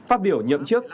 phát biểu nhậm chức